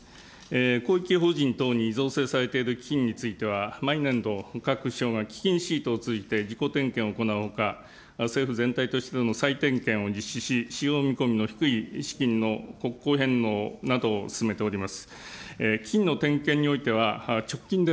公益法人等に造成されている基金については、毎年度、各府省が基金シートを通じて、自己点検を行うか、政府全体としても再点検を実施し、使用見込みの低い資金の国庫変更などを進めております。